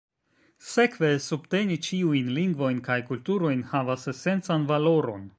Sekve, subteni ĉiujn lingvojn kaj kulturojn havas esencan valoron.